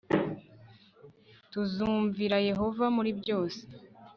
Tuzumvira Yehova muri byose